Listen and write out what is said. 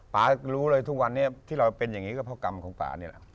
รู้เลยทุกวันนี้ที่เราเป็นอย่างนี้ก็เพราะกรรมของป่านี่แหละ